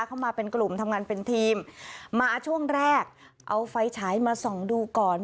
เข้ามาเป็นกลุ่มทำงานเป็นทีมมาช่วงแรกเอาไฟฉายมาส่องดูก่อน